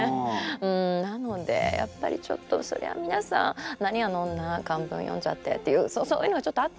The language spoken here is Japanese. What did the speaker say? なのでやっぱりちょっとそりゃ皆さん「何あの女漢文読んじゃって」っていうそういうのがちょっとあったのかな。